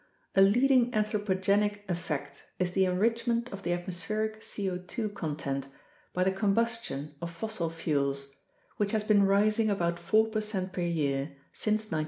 A leading anthropogenic effect is the enrichment of the atmospheric C0 2 content by the combustion of fossil fuels, which has been rising about 4 percent per year since 1910.